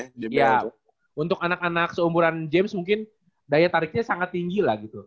iya untuk anak anak seumuran james mungkin daya tariknya sangat tinggi lah gitu